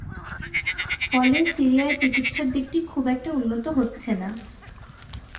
ফলে সিরিয়ায় চিকিৎসার দিকটি খুব একটা উন্নত হচ্ছে না।